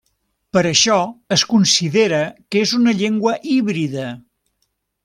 Per això es considera que és una llengua híbrida.